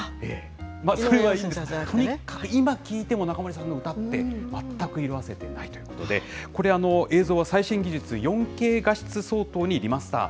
それはいいんですが、今聴いても中森さんの歌って、全く色あせてないということで、これ、映像は最新技術、４Ｋ画質相当にリマスター。